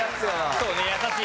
そうね優しい。